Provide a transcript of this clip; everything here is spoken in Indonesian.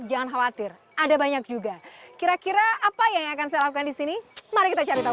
jangan khawatir ada banyak juga kira kira apa yang akan saya lakukan di sini mari kita cari tahu